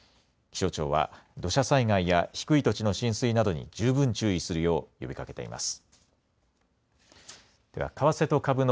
気象庁は土砂災害や低い土地の浸水などに十分注意するよう呼びかけています。